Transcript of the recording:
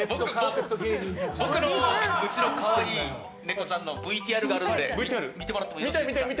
うちの可愛いネコちゃんのＶＴＲがあるので見てもらってもよろしいですか。